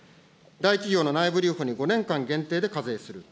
大企業の内部留保に５年間限定で課税する。